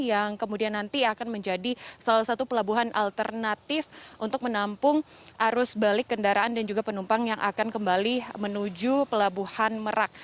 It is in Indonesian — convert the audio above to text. yang kemudian nanti akan menjadi salah satu pelabuhan alternatif untuk menampung arus balik kendaraan dan juga penumpang yang akan kembali menuju pelabuhan merak